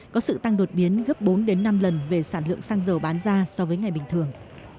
có sự tăng đột biến gấp bốn năm lần về sản lượng xăng dầu bán ra so với ngày bình thường